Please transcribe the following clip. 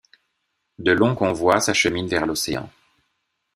De longs convois s'acheminent vers l'océan.